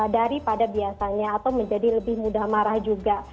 dari pada biasanya atau menjadi lebih mudah marah juga